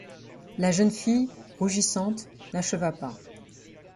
La jeune fille, rougissante, n’acheva pas.